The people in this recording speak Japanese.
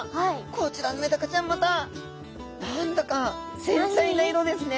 こちらのメダカちゃんまた何だか繊細な色ですね。